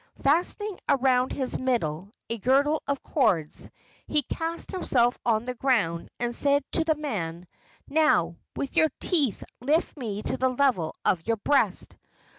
Fastening around his middle a girdle of cords, he cast himself on the ground and said to the man: "Now with your teeth lift me to the level of your breast."